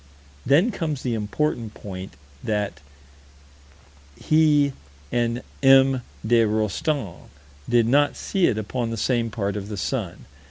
Then comes the important point: that he and M. de Rostan did not see it upon the same part of the sun.